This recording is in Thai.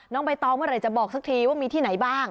ใบตองเมื่อไหร่จะบอกสักทีว่ามีที่ไหนบ้าง